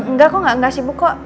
oh enggak kok gak sibuk kok